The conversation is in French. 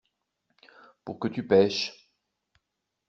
Pour que tu pêches.